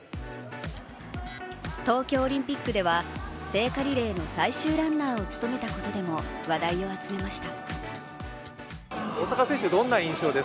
東京オリンピックでは聖火リレーの最終ランナーを務めたことでも話題を集めました。